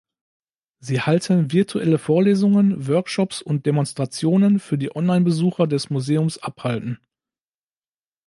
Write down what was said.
Sie halten virtuelle Vorlesungen, Workshops und Demonstrationen für die Online-Besucher des Museums abhalten.